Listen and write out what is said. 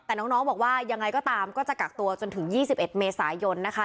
แต่น้องบอกว่ายังไงก็ตามก็จะกักตัวจนถึง๒๑เมษายนนะคะ